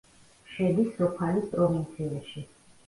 შედის სოფალის პროვინციაში.